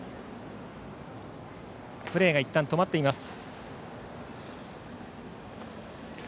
プレーがいったん止まっています。